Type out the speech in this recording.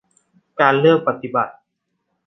การเลือกปฏิบัติ